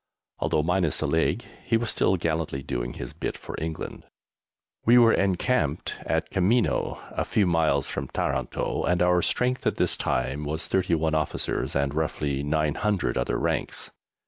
Although minus a leg he was still gallantly doing his bit for England. We were encamped at Camino, a few miles from Taranto, and our strength at this time was 31 officers, and roughly 900 other ranks.